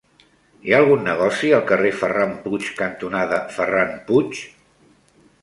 Hi ha algun negoci al carrer Ferran Puig cantonada Ferran Puig?